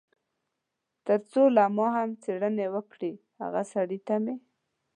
تر څو له ما هم څېړنې وکړي، هغه سړي ته مې.